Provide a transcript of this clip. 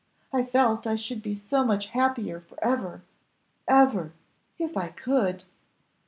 I felt I should be so much happier for ever ever if I could!"